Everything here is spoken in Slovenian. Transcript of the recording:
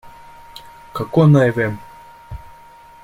Kako naj vem?